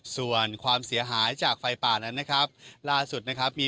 ส่วนความเสียหายจากไฟป่านั้นล่าสุดมีพื้นที่ทางการเกษตรของชาวบ้าน